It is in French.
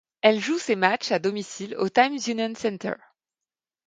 Elle joue ses matchs à domicile au Times Union Center.